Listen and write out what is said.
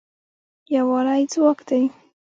یووالی ځواک دی